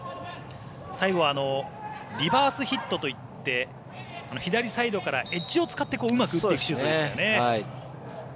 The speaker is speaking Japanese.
最後はリバースヒットといって左サイドからエッジを使ってうまくシュートしましたね。